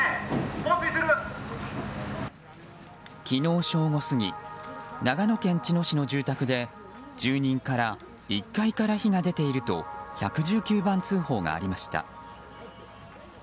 昨日正午過ぎ長野県茅野市の住宅で住人から１階から火が出ていると１１９番通報がありました。